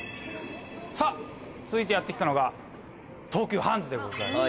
さぁ続いてやってきたのが東急ハンズでございます。